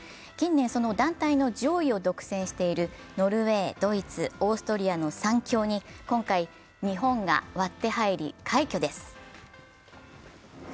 近年その団体の上位を独占しているノルウェー、ドイツ、オーストリアの３強に今回、日本が割って入り、快挙です。